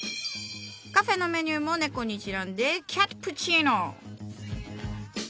カフェのメニューも猫にちなんで「キャットプチーノ」。